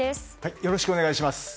よろしくお願いします。